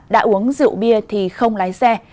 đã uống rượu bia thì không lái xe